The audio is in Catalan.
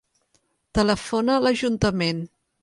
Telefona a l'ajuntament.